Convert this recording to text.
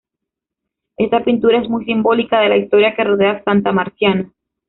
Esta pintura es muy simbólica de la historia que rodea Santa Marciana.